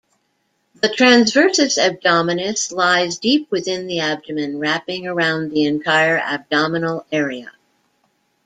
The transversus abdominis lies deep within the abdomen, wrapping around the entire abdominal area.